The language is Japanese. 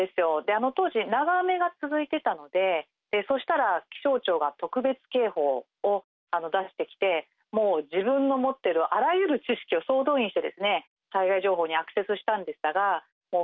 あの当時長雨が続いてたのでそしたら気象庁が特別警報を出してきてもう自分の持ってるあらゆる知識を総動員して災害情報にアクセスしたんでしたがもう不安しかなかったです。